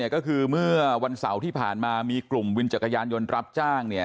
ก็คือเมื่อวันเสาร์ที่ผ่านมามีกลุ่มวินจักรยานยนต์รับจ้าง